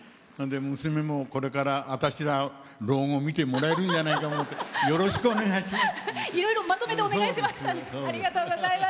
娘もこれから私、老後を見てもらえるんじゃないかってよろしくお願いします。